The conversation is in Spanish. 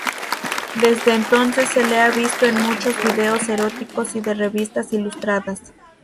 Desde entonces se le ha visto en muchos vídeos eróticos y de revistas ilustradas.